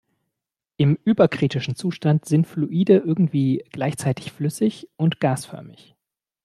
Im überkritischen Zustand sind Fluide irgendwie gleichzeitig flüssig und gasförmig.